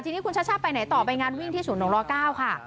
ทีนี้คุณชัชชาไปไหนต่อไปงานวิ่งที่ศูนย์หลวงรอ๙ค่ะ